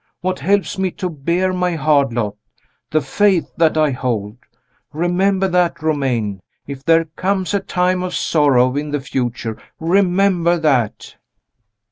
What helps me to bear my hard lot? The Faith that I hold! Remember that, Romayne. If there comes a time of sorrow in the future, remember that."